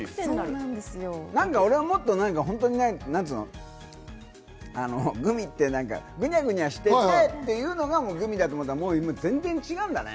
俺はもっと、グミってグニャグニャしてて、そういうのがグミだと思ったら、今、全然違うんだね。